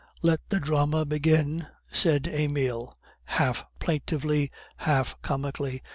"Let the drama begin," said Emile, half plaintively, half comically.